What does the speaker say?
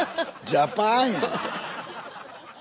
ジャパン！